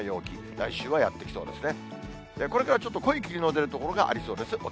来週はやって来そうですね。